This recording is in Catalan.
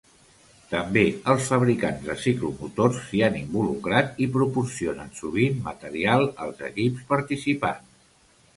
També els fabricants de ciclomotors s'hi han involucrat i proporcionen sovint material als equips participants.